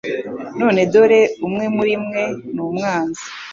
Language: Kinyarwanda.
None dore umwe muri mwe ni umwanzi.""